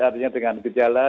artinya dengan gejala